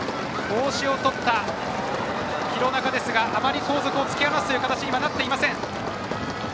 帽子を取った廣中ですがあまり後続を突き放すような形にはなっていません。